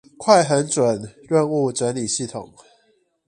快狠準任務整理系統